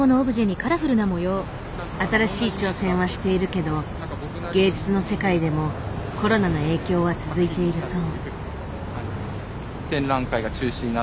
新しい挑戦はしているけど芸術の世界でもコロナの影響は続いているそう。